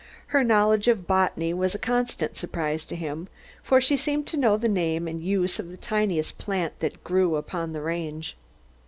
Her knowledge of botany was a constant surprise to him, for she seemed to know the name and use of the tiniest plant that grew upon the range.